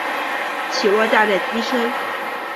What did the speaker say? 起落架在机身。